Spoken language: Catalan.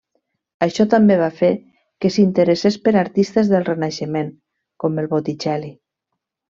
Això també va fer que s'interessés per artistes del Renaixement com el Botticelli.